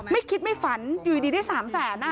ไม่คิดไม่ฝันอยู่ดีได้๓แสน